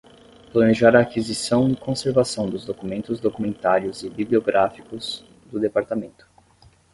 Planejar a aquisição e conservação dos documentos documentários e bibliográficos do Departamento.